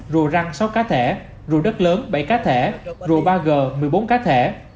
rùa răng sáu cá thể rùa đất lớn bảy cá thể rùa ba g một mươi bốn cá thể